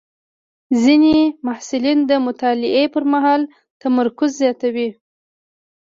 ځینې محصلین د مطالعې پر مهال تمرکز زیاتوي.